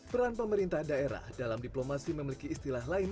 peran pemerintah daerah dalam diplomasi memiliki istilah lain